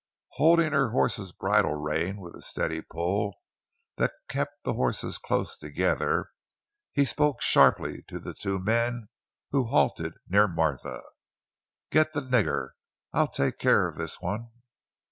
Holding to her horse's bridle rein with a steady pull that kept the horses close together, he spoke sharply to the two men who had halted near Martha: "Get the nigger! I'll take care of this one!"